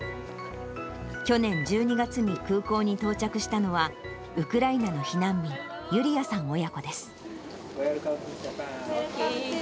去年１２月に空港に到着したのは、ウクライナの避難民、ユリヤさん親子です。